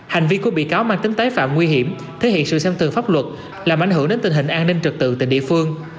hành vi của bị cáo mang tính tái phạm nguy hiểm thể hiện sự xem tường pháp luật làm ảnh hưởng đến tình hình an ninh trực tự tại địa phương